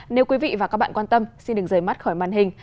nếu quý vị và các bạn quan tâm xin đừng rời mắt khỏi màn hình